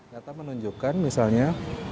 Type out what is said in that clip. data menunjukkan misalnya